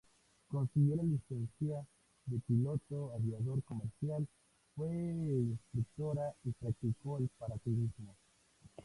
Consiguió la licencia de piloto aviador comercial, fue instructora y practicó el paracaidismo.